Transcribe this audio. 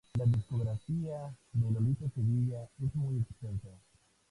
La discografía de Lolita Sevilla es muy extensa.